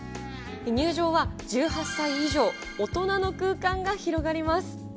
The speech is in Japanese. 入場は１８歳以上、大人の空間が広がります。